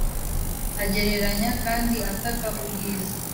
agereranya kandi ataka ubwiza